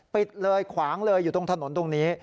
ปิดเลยขวางเลยอยู่ตรงถนนตรงนี้